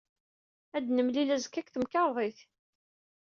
Ad nemlil azekka deg temkarḍit.